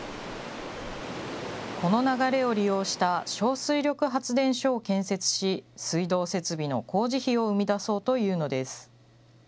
この流れを利用した小水力発電所を建設し、水道設備の工事費を生み出そうというのです。